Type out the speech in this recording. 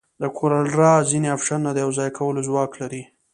د کولر ډراو ځینې افشنونه د یوځای کولو ځواک لري.